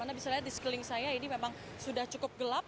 anda bisa lihat di sekeliling saya ini memang sudah cukup gelap